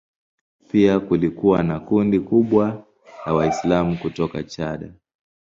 Pia kulikuwa na kundi kubwa la Waislamu kutoka Chad.